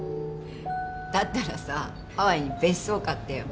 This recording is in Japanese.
だったらさハワイに別荘買ってよ